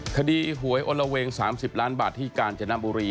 คดีหวยอเลวรณ์๓๐ล้านบาทที่กาลจนมบุรี